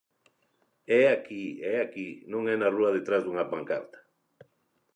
É aquí, é aquí, non é na rúa detrás dunha pancarta.